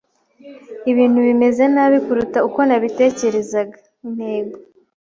Ibintu bimeze nabi kuruta uko nabitekerezaga. (Intego)